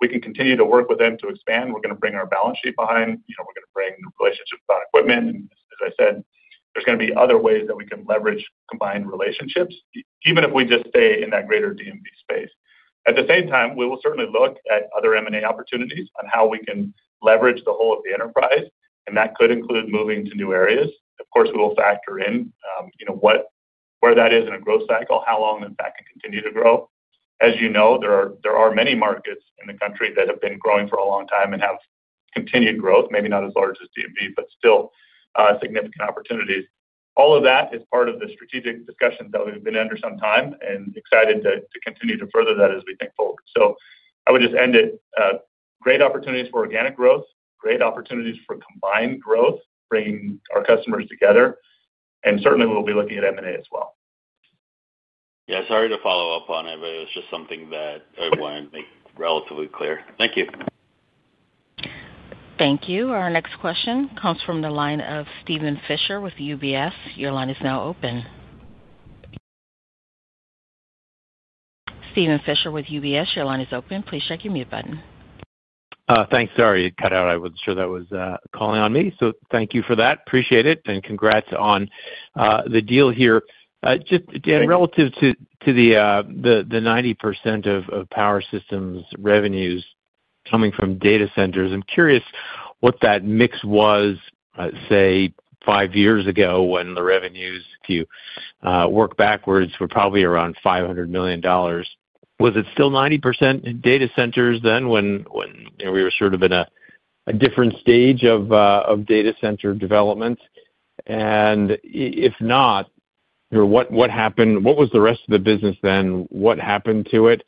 We can continue to work with them to expand. We're going to bring our balance sheet behind. We're going to bring relationships about equipment. As I said, there's going to be other ways that we can leverage combined relationships, even if we just stay in that greater DMV space. At the same time, we will certainly look at other M&A opportunities on how we can leverage the whole of the enterprise, and that could include moving to new areas. Of course, we will factor in where that is in a growth cycle, how long that can continue to grow. As you know, there are many markets in the country that have been growing for a long time and have continued growth, maybe not as large as DMV, but still significant opportunities. All of that is part of the strategic discussions that we've been under some time and excited to continue to further that as we think forward. I would just end it. Great opportunities for organic growth, great opportunities for combined growth, bringing our customers together. Certainly, we'll be looking at M&A as well. Yeah. Sorry to follow up on it, but it was just something that I wanted to make relatively clear. Thank you. Thank you. Our next question comes from the line of Steven Fisher with UBS. Your line is now open. Steven Fisher with UBS. Your line is open. Please check your mute button. Thanks. Sorry, it cut out. I wasn't sure that was calling on me. Thank you for that. Appreciate it. Congrats on the deal here. Just, Dan, relative to the 90% of Power Solutions revenues coming from data centers, I'm curious what that mix was, say, five years ago when the revenues, if you work backwards, were probably around $500 million. Was it still 90% data centers then when we were sort of in a different stage of data center development? If not, what happened? What was the rest of the business then? What happened to it?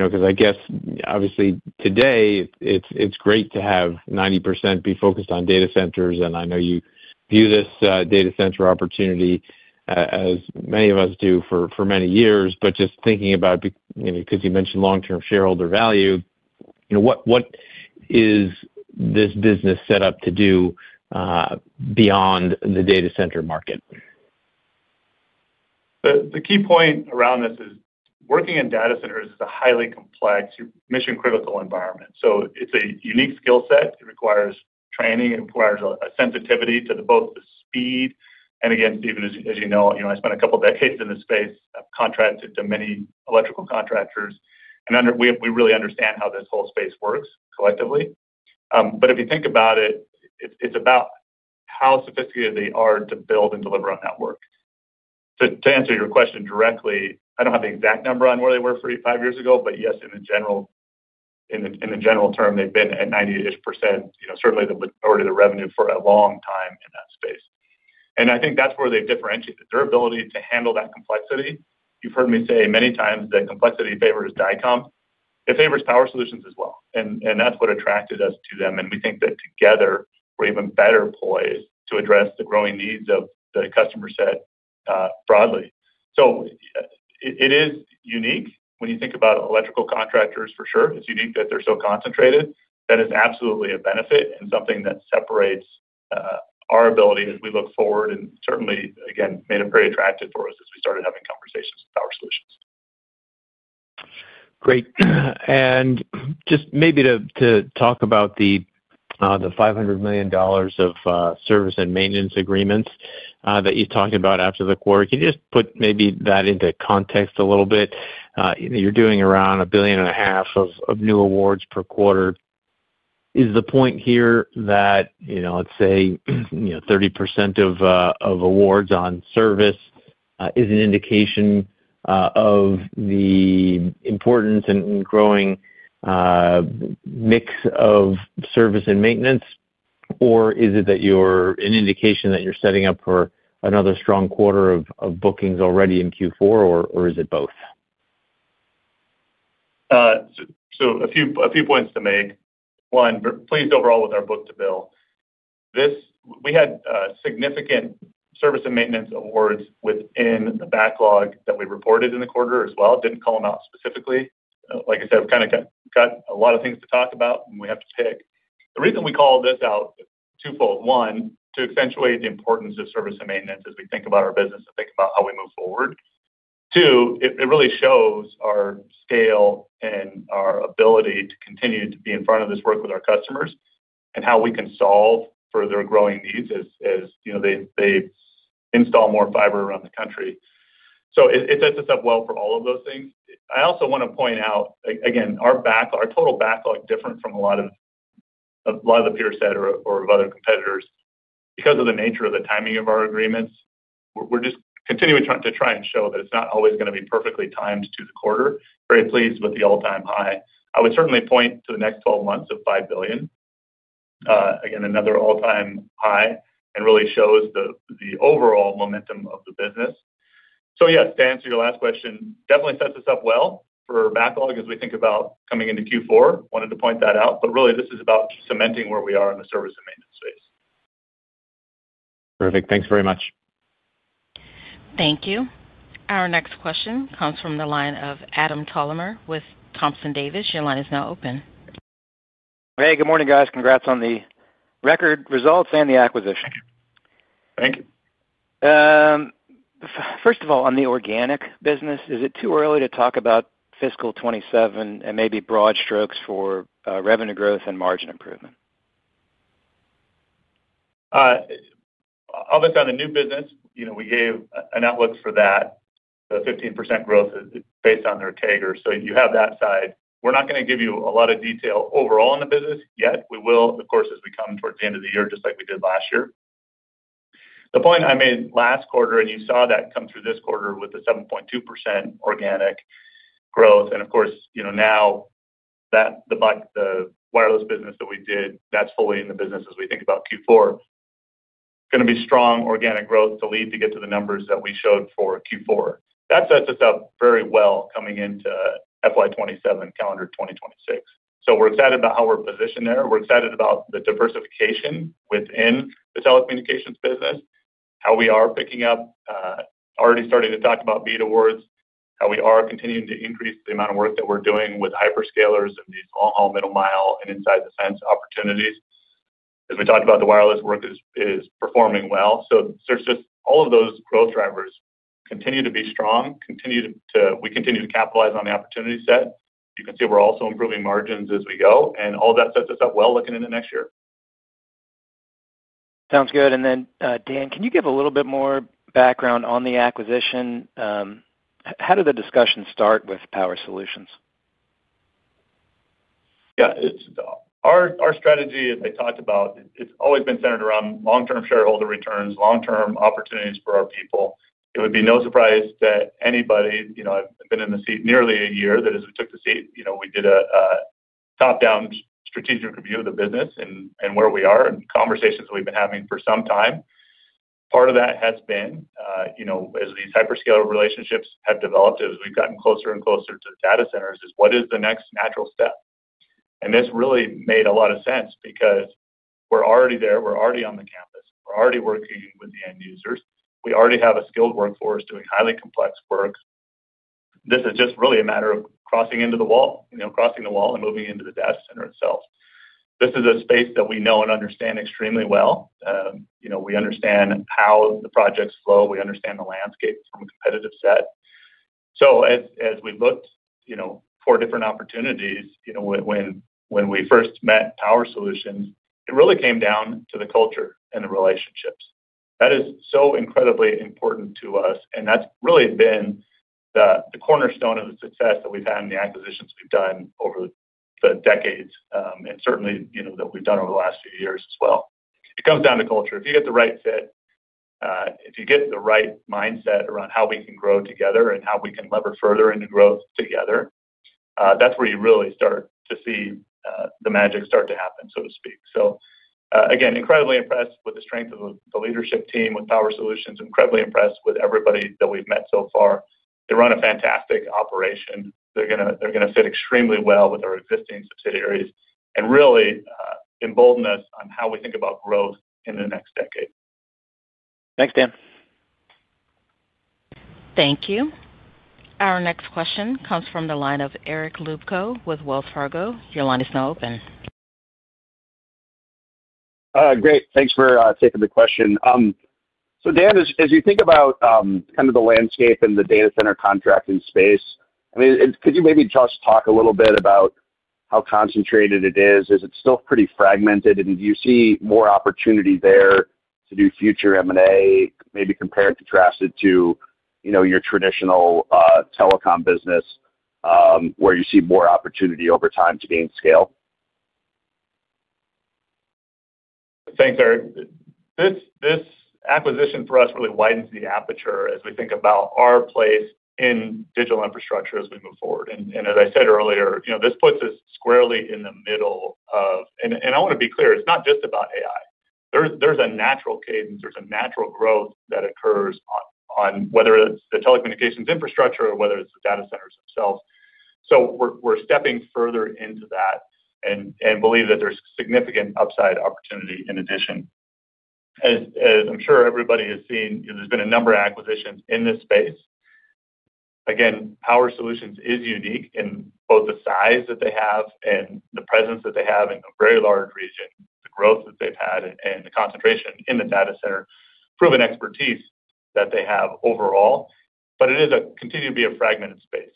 I guess, obviously, today, it's great to have 90% be focused on data centers. I know you view this data center opportunity, as many of us do, for many years. Just thinking about, because you mentioned long-term shareholder value, what is this business set up to do beyond the data center market? The key point around this is working in data centers is a highly complex, mission-critical environment. It is a unique skill set. It requires training. It requires a sensitivity to both the speed. Again, Steven, as you know, I spent a couple of decades in this space. I have contracted to many electrical contractors. We really understand how this whole space works collectively. If you think about it, it is about how sophisticated they are to build and deliver on that work. To answer your question directly, I do not have the exact number on where they were five years ago, but yes, in the general term, they have been at 90-ish % certainly already the revenue for a long time in that space. I think that is where they have differentiated. Their ability to handle that complexity, you have heard me say many times that complexity favors Dycom. It favors Power Solutions as well. That is what attracted us to them. We think that together, we are even better poised to address the growing needs of the customer set broadly. It is unique. When you think about electrical contractors, for sure, it is unique that they are so concentrated. That is absolutely a benefit and something that separates our ability as we look forward and certainly, again, made it very attractive for us as we started having conversations with Power Solutions. Great. Just maybe to talk about the $500 million of service and maintenance agreements that you talked about after the quarter, can you just put maybe that into context a little bit? You are doing around a billion and a half of new awards per quarter. Is the point here that, let's say, 30% of awards on service is an indication of the importance and growing mix of service and maintenance? Or is it an indication that you're setting up for another strong quarter of bookings already in Q4, or is it both? A few points to make. One, pleased overall with our book to bill. We had significant service and maintenance awards within the backlog that we reported in the quarter as well. Did not call them out specifically. Like I said, we've kind of got a lot of things to talk about, and we have to pick. The reason we call this out is twofold. One, to accentuate the importance of service and maintenance as we think about our business and think about how we move forward. Two, it really shows our scale and our ability to continue to be in front of this work with our customers and how we can solve for their growing needs as they install more fiber around the country. It sets us up well for all of those things. I also want to point out, again, our total backlog is different from a lot of the peers or other competitors. Because of the nature of the timing of our agreements, we are just continuing to try and show that it is not always going to be perfectly timed to the quarter. Very pleased with the all-time high. I would certainly point to the next 12 months of $5 billion. Again, another all-time high and really shows the overall momentum of the business. Yes, to answer your last question, definitely sets us up well for backlog as we think about coming into Q4. Wanted to point that out. Really, this is about cementing where we are in the service and maintenance space. Terrific. Thanks very much. Thank you. Our next question comes from the line of Adam Toller with Thompson Davis. Your line is now open. Hey, good morning, guys. Congrats on the record results and the acquisition. Thank you. First of all, on the organic business, is it too early to talk about fiscal 2027 and maybe broad strokes for revenue growth and margin improvement? I'll look on the new business. We gave an outlook for that, the 15% growth based on their taggers. You have that side. We're not going to give you a lot of detail overall on the business yet. We will, of course, as we come towards the end of the year, just like we did last year. The point I made last quarter, and you saw that come through this quarter with the 7.2% organic growth. Of course, now the wireless business that we did, that's fully in the business as we think about Q4. Going to be strong organic growth to lead to get to the numbers that we showed for Q4. That sets us up very well coming into FY 2027, calendar 2026. We are excited about how we're positioned there. We are excited about the diversification within the telecommunications business, how we are picking up, already starting to talk about BEAD awards, how we are continuing to increase the amount of work that we're doing with hyperscalers and these long-haul, middle-mile, and inside-the-fence opportunities. As we talked about, the wireless work is performing well. All of those growth drivers continue to be strong. We continue to capitalize on the opportunity set. You can see we are also improving margins as we go. All of that sets us up well looking into next year. Sounds good. Dan, can you give a little bit more background on the acquisition? How did the discussion start with Power Solutions? Yeah. Our strategy, as I talked about, has always been centered around long-term shareholder returns, long-term opportunities for our people. It would be no surprise to anybody. I have been in the seat nearly a year. As we took the seat, we did a top-down strategic review of the business and where we are and conversations we have been having for some time. Part of that has been, as these hyperscaler relationships have developed, as we've gotten closer and closer to the data centers, what is the next natural step? This really made a lot of sense because we're already there. We're already on the campus. We're already working with the end users. We already have a skilled workforce doing highly complex work. This is just really a matter of crossing into the wall, crossing the wall, and moving into the data center itself. This is a space that we know and understand extremely well. We understand how the projects flow. We understand the landscape from a competitive set. As we looked for different opportunities, when we first met Power Solutions, it really came down to the culture and the relationships. That is so incredibly important to us. That has really been the cornerstone of the success that we've had in the acquisitions we've done over the decades and certainly that we've done over the last few years as well. It comes down to culture. If you get the right fit, if you get the right mindset around how we can grow together and how we can lever further into growth together, that's where you really start to see the magic start to happen, so to speak. Again, incredibly impressed with the strength of the leadership team with Power Solutions, incredibly impressed with everybody that we've met so far. They run a fantastic operation. They're going to fit extremely well with our existing subsidiaries and really embolden us on how we think about growth in the next decade. Thanks, Dan. Thank you. Our next question comes from the line of Eric Lupco with Wells Fargo. Your line is now open. Great. Thanks for taking the question. Dan, as you think about kind of the landscape and the data center contracting space, I mean, could you maybe just talk a little bit about how concentrated it is? Is it still pretty fragmented? Do you see more opportunity there to do future M&A, maybe contrasted to your traditional telecom business where you see more opportunity over time to gain scale? Thanks, Eric. This acquisition for us really widens the aperture as we think about our place in digital infrastructure as we move forward. As I said earlier, this puts us squarely in the middle of, and I want to be clear, it's not just about AI. There's a natural cadence. There's a natural growth that occurs on whether it's the telecommunications infrastructure or whether it's the data centers themselves. We're stepping further into that and believe that there's significant upside opportunity in addition. As I'm sure everybody has seen, there's been a number of acquisitions in this space. Again, Power Solutions is unique in both the size that they have and the presence that they have in a very large region, the growth that they've had, and the concentration in the data center, proven expertise that they have overall. It continues to be a fragmented space.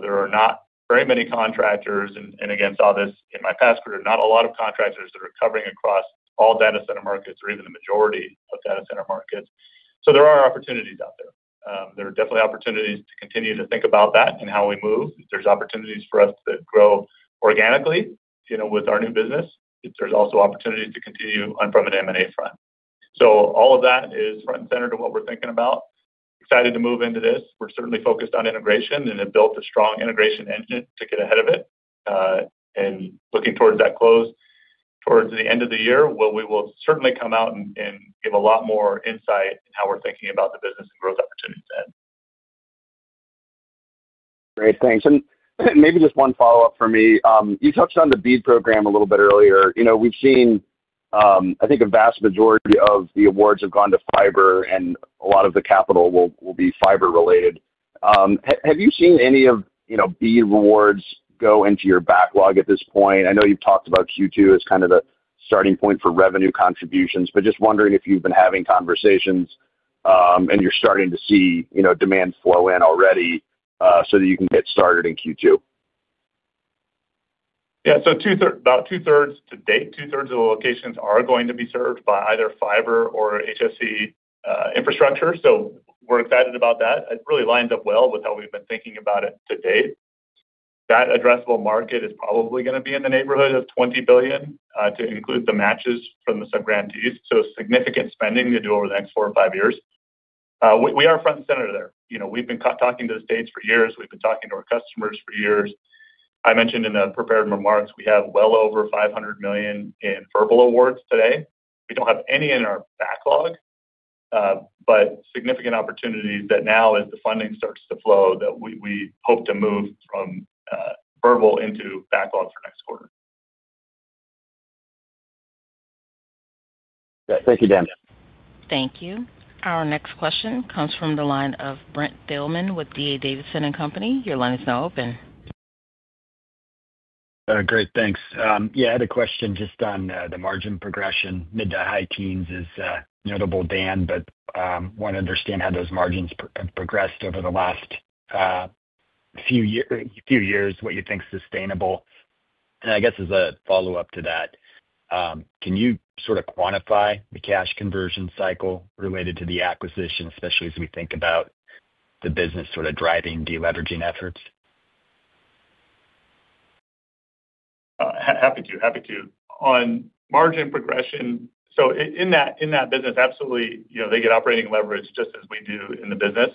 There are not very many contractors. Again, saw this in my past career, not a lot of contractors that are covering across all data center markets or even the majority of data center markets. There are opportunities out there. There are definitely opportunities to continue to think about that and how we move. There's opportunities for us to grow organically with our new business. are also opportunities to continue on from an M&A front. All of that is front and center to what we are thinking about. Excited to move into this. We are certainly focused on integration and have built a strong integration engine to get ahead of it. Looking towards that close, towards the end of the year, we will certainly come out and give a lot more insight in how we are thinking about the business and growth opportunities ahead. Great. Thanks. Maybe just one follow-up for me. You touched on the BEAD program a little bit earlier. We have seen, I think, a vast majority of the awards have gone to fiber, and a lot of the capital will be fiber-related. Have you seen any of BEAD awards go into your backlog at this point? I know you've talked about Q2 as kind of the starting point for revenue contributions, but just wondering if you've been having conversations and you're starting to see demand flow in already so that you can get started in Q2. Yeah. About 2/3 to date, 2/3 of the locations are going to be served by either fiber or HSE infrastructure. We're excited about that. It really lines up well with how we've been thinking about it to date. That addressable market is probably going to be in the neighborhood of $20 billion to include the matches from the subgrantees. Significant spending to do over the next four or five years. We are front and center there. We've been talking to the states for years. We've been talking to our customers for years. I mentioned in the prepared remarks, we have well over $500 million in verbal awards today. We do not have any in our backlog, but significant opportunities that now, as the funding starts to flow, that we hope to move from verbal into backlog for next quarter. Thank you, Dan. Thank you. Our next question comes from the line of Brent Thielman with D.A. Davidson & Company. Your line is now open. Great. Thanks. Yeah. I had a question just on the margin progression. Mid to high teens is notable, Dan, but want to understand how those margins have progressed over the last few years, what you think is sustainable. I guess as a follow-up to that, can you sort of quantify the cash conversion cycle related to the acquisition, especially as we think about the business sort of driving deleveraging efforts? Happy to. Happy to. On margin progression, in that business, absolutely, they get operating leverage just as we do in the business.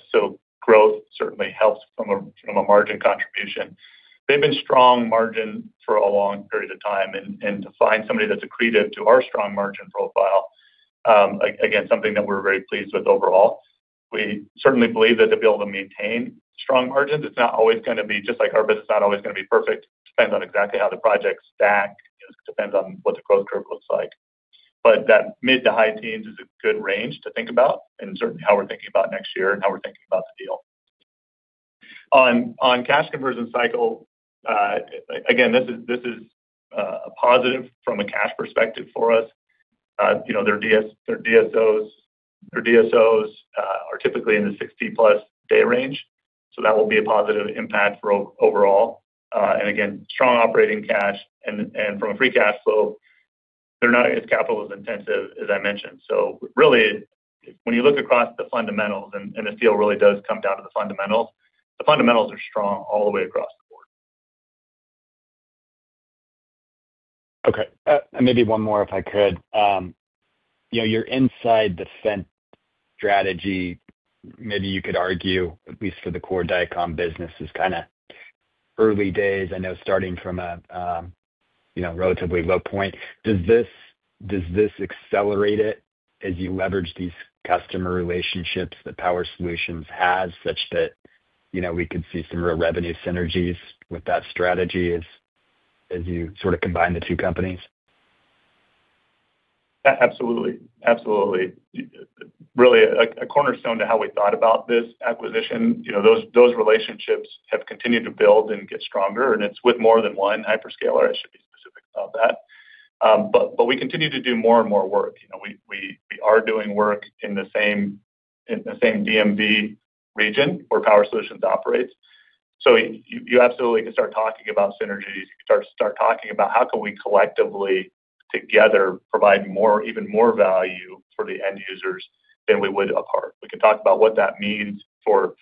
Growth certainly helps from a margin contribution. They have been strong margin for a long period of time. To find somebody that is accretive to our strong margin profile, again, something that we are very pleased with overall. We certainly believe that they will be able to maintain strong margins. It is not always going to be, just like our business, not always going to be perfect. It depends on exactly how the projects stack. It depends on what the growth curve looks like. That mid to high teens is a good range to think about and certainly how we are thinking about next year and how we are thinking about the deal. On cash conversion cycle, this is a positive from a cash perspective for us. Their DSOs are typically in the 60+-day range. That will be a positive impact overall. Again, strong operating cash. From a free cash flow, they are not as capital intensive, as I mentioned. Really, when you look across the fundamentals, and the steel really does come down to the fundamentals, the fundamentals are strong all the way across the board. Okay. Maybe one more, if I could. Your inside defense strategy, maybe you could argue, at least for the core Dycom business, is kind of early days. I know starting from a relatively low point. Does this accelerate it as you leverage these customer relationships that Power Solutions has such that we could see some real revenue synergies with that strategy as you sort of combine the two companies? Absolutely. Absolutely. Really, a cornerstone to how we thought about this acquisition, those relationships have continued to build and get stronger. It is with more than one hyperscaler. I should be specific about that. We continue to do more and more work. We are doing work in the same DMV region where Power Solutions operates. You absolutely can start talking about synergies. You can start talking about how we can collectively together provide even more value for the end users than we would apart. We can talk about what that means for,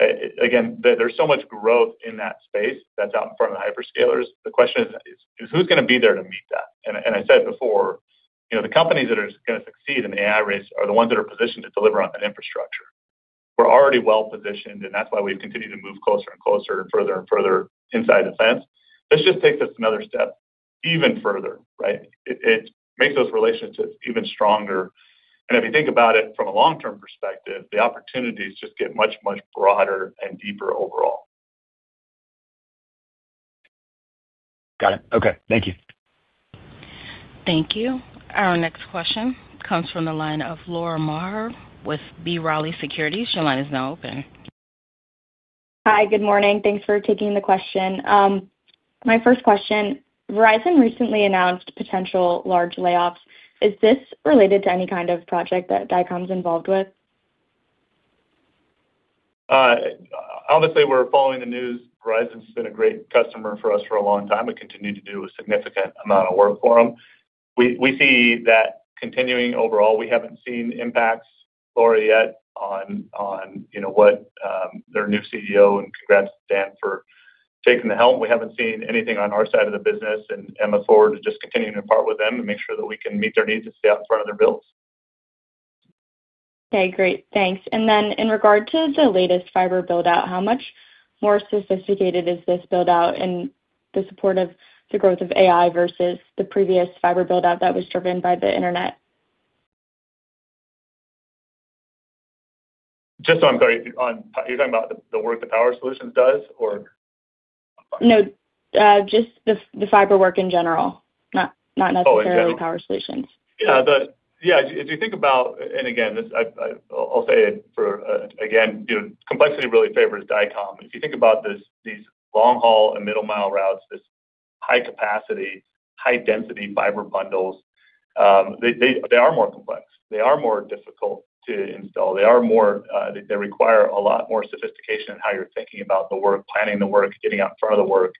again, there is so much growth in that space that is out in front of the hyperscalers. The question is, who is going to be there to meet that? I said it before, the companies that are going to succeed in the AI race are the ones that are positioned to deliver on that infrastructure. We're already well positioned, and that's why we've continued to move closer and closer and further and further inside the fence. This just takes us another step even further, right? It makes those relationships even stronger. If you think about it from a long-term perspective, the opportunities just get much, much broader and deeper overall. Got it. Okay. Thank you. Thank you. Our next question comes from the line of Laura Maher with B. Riley Securities. Your line is now open. Hi. Good morning. Thanks for taking the question. My first question, Verizon recently announced potential large layoffs. Is this related to any kind of project that Dycom's involved with? Honestly, we're following the news. Verizon's been a great customer for us for a long time. We continue to do a significant amount of work for them. We see that continuing overall. We haven't seen impacts, Laura, yet on what their new CEO, and congrats to Dan for taking the helm. We haven't seen anything on our side of the business. I'm looking forward to just continuing to part with them and make sure that we can meet their needs and stay out in front of their bills. Okay. Great. Thanks. In regard to the latest fiber buildout, how much more sophisticated is this buildout in the support of the growth of AI versus the previous fiber buildout that was driven by the internet? Just so I'm clear, you're talking about the work that Power Solutions does, or? No. Just the fiber work in general, not necessarily Power Solutions. Yeah. Yeah. As you think about, and again, I'll say it again, complexity really favors Dycom. If you think about these long-haul and middle-mile routes, this high-capacity, high-density fiber bundles, they are more complex. They are more difficult to install. They require a lot more sophistication in how you're thinking about the work, planning the work, getting out in front of the work.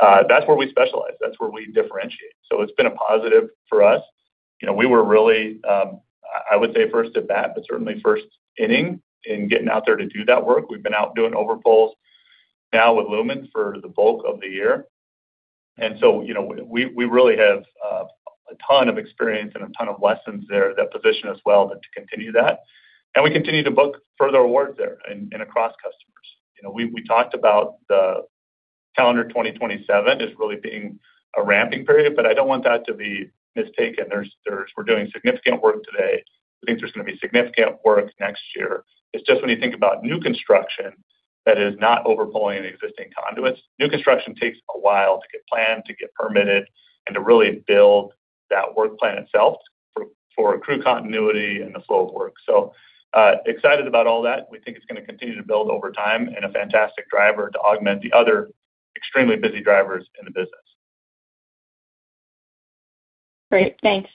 That is where we specialize. That is where we differentiate. It has been a positive for us. We were really, I would say, first at bat, but certainly first inning in getting out there to do that work. We have been out doing overpulls now with Lumen for the bulk of the year. We really have a ton of experience and a ton of lessons there that position us well to continue that. We continue to book further awards there and across customers. We talked about the calendar 2027 as really being a ramping period, but I do not want that to be mistaken. We're doing significant work today. We think there's going to be significant work next year. It's just when you think about new construction that is not overpulling existing conduits. New construction takes a while to get planned, to get permitted, and to really build that work plan itself for crew continuity and the flow of work. Excited about all that. We think it's going to continue to build over time and a fantastic driver to augment the other extremely busy drivers in the business. Great. Thanks.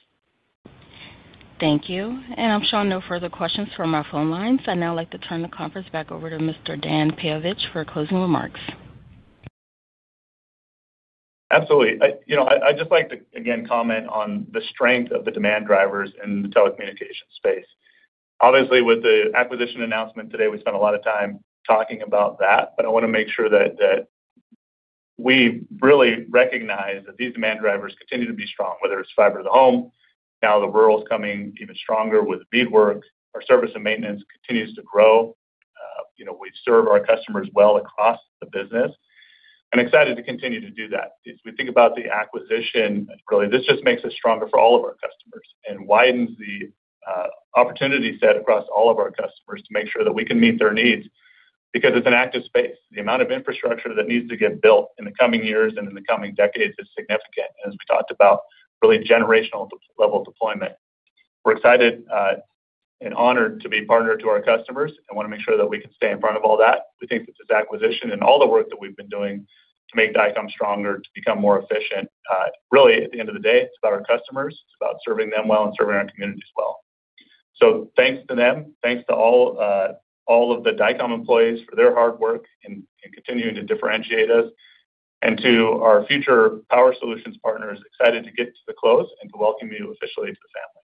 Thank you. I'm showing no further questions from our phone lines. I'd now like to turn the conference back over to Mr. Dan Peyovich for closing remarks. Absolutely. I'd just like to, again, comment on the strength of the demand drivers in the telecommunications space. Obviously, with the acquisition announcement today, we spent a lot of time talking about that. I want to make sure that we really recognize that these demand drivers continue to be strong, whether it's fiber to the home. Now the rural's coming even stronger with BEAD work. Our service and maintenance continues to grow. We serve our customers well across the business. I'm excited to continue to do that. As we think about the acquisition, really, this just makes us stronger for all of our customers and widens the opportunity set across all of our customers to make sure that we can meet their needs because it's an active space. The amount of infrastructure that needs to get built in the coming years and in the coming decades is significant. As we talked about, really generational level deployment. We're excited and honored to be partnered to our customers and want to make sure that we can stay in front of all that. We think that this acquisition and all the work that we've been doing to make Dycom stronger, to become more efficient, really, at the end of the day, it's about our customers. It's about serving them well and serving our communities well. Thanks to them. Thanks to all of the Dycom employees for their hard work in continuing to differentiate us and to our future Power Solutions partners. Excited to get to the close and to welcome you officially to the family.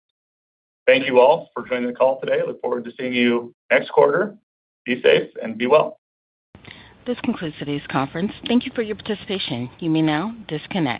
Thank you all for joining the call today. Look forward to seeing you next quarter. Be safe and be well. This concludes today's conference. Thank you for your participation. You may now disconnect.